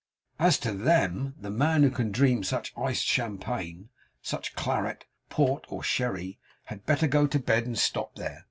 As to THEM, the man who can dream such iced champagne, such claret, port, or sherry, had better go to bed and stop there.